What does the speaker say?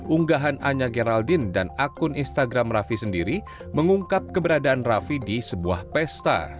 unggahan anya geraldine dan akun instagram rafi sendiri mengungkap keberadaan rafi di sebuah pesta